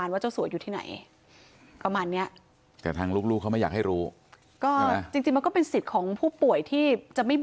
แล้วก็เรื่องทรวมเถอะ